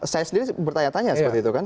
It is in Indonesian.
saya sendiri bertanya tanya seperti itu kan